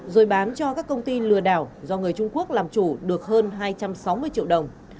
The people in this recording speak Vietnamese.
rồi bán cho các công ty lừa đảo do người trung quốc làm chủ được hơn hai trăm sáu mươi triệu đồng